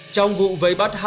trong vụ vấy bắt